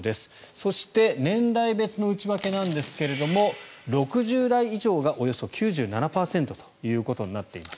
そして年代別の内訳なんですけれども６０代以上がおよそ９７％ということになっています。